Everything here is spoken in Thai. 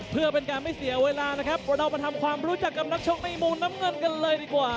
เพื่อเป็นการไม่เสียเวลานะครับกว่าเรามาทำความรู้จักกับนักชกในมุมน้ำเงินกันเลยดีกว่า